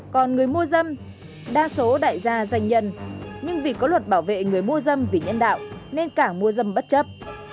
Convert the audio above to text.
còn người mua dâm đa số đại gia doanh nhân nhưng vì có luật bảo vệ người mua dâm vì nhân đạo nên cảng mua dâm bất chấp